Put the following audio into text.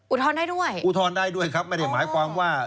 อุทธรณ์ได้ด้วยอุทธรณ์ได้ด้วยครับไม่ได้หมายความว่า